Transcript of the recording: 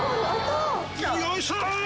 よいしょ！